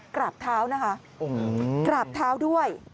กราบเท้านะคะกราบเท้าด้วย